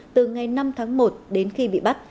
từ ngày năm tháng một đến khi bị bắt